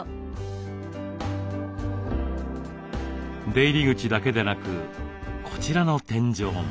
出入り口だけでなくこちらの天井も。